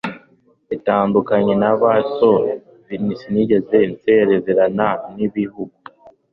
bitandukanye na ba so, sinigeze nsezerana n'igihugu